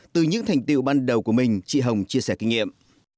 từ những thành tiệu ban đầu của mình chị hồng chia sẻ kinh nghiệm